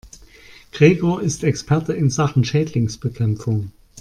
Gregor ist Experte in Sachen Schädlingsbekämpfung.